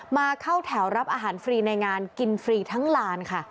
มาเข้าแถวรับอาหารฟรีในงานกินฟรีทั้งลานค่ะ